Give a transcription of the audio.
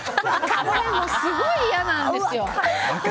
これ、すごい嫌なんですよ。